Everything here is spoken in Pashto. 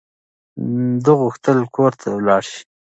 ده غوښتل کور ته ولاړ شي.